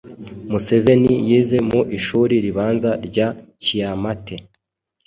Museveni yize mu ishuri ribanza rya Kyamate,